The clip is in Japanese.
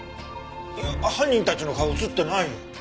いや犯人たちの顔映ってないよ。